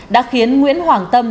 đã khiến nguyễn hoàng tâm